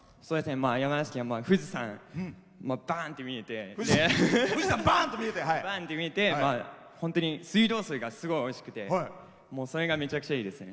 山梨県は富士山バーンって見えて本当に水道水がすごいおいしくてそれが、めちゃくちゃいいですね。